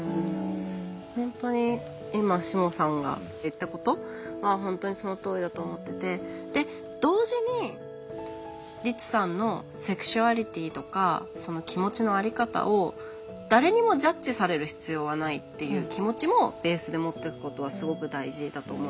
本当に今下さんが言ったことは本当にそのとおりだと思っててで同時にリツさんのセクシュアリティーとかその気持ちのあり方を誰にもジャッジされる必要はないっていう気持ちもベースで持っておくことはすごく大事だと思うんですよ。